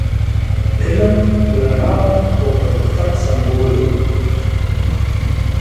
علم د رڼا او پرمختګ سمبول دی.